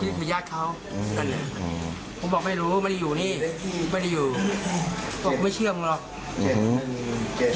ผู้ที่ไปย้านเขาอืมอือผมบอกไม่รู้แม่อยู่นี่ไม่ได้อยู่โอเคไม่เชื่อมึงหรอกมั้ง